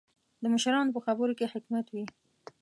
د مشرانو په خبرو کې حکمت وي.